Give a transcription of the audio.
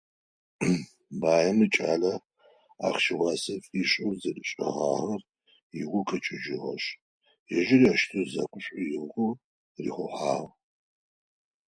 Баим икӏалэ ахъщэм уасэ фишӏэу зэришӏыгъагъэр ыгу къэкӏыжьыгъэшъ, ежьыри аущтэу зекӏо шӏоигъоу рихъухьагъ.